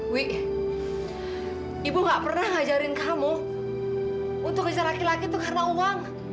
wi ibu gak pernah ngajarin kamu untuk bicara laki laki itu karena uang